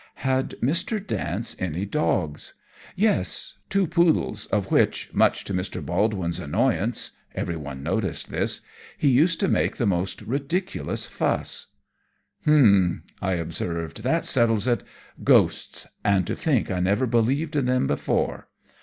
"Had Mr. Dance any dogs?" "Yes two poodles, of which, much to Mr. Baldwin's annoyance (everyone noticed this), he used to make the most ridiculous fuss." "Humph!" I observed. "That settles it! Ghosts! And to think I never believed in them before!